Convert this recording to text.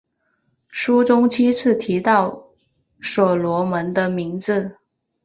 书中七次提到所罗门的名字。